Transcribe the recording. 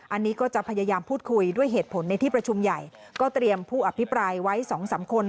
อันนี้ก็จะพยายามพูดคุยด้วยเหตุผลในที่ประชุมใหญ่ก็เตรียมผู้อภิปรายไว้สองสามคน